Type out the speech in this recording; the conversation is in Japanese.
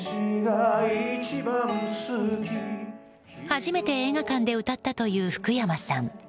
初めて映画館で歌ったという福山さん。